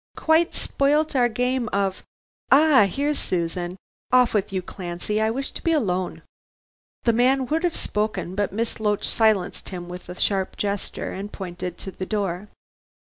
Quite spoilt our game of ah, here's Susan. Off with you, Clancy. I wish to be alone." The man would have spoken, but Miss Loach silenced him with a sharp gesture and pointed to the door.